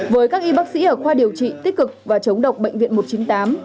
với các y bác sĩ ở khoa điều trị tích cực và chống độc bệnh viện một trăm chín mươi tám